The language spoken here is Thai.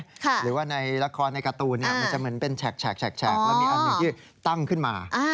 หรือว่าในละครในการ์ตูนมันจะเหมือนเป็นแฉกแล้วมีอันหนึ่งที่ตั้งขึ้นมา